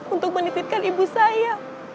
untuk menititkan ibu saya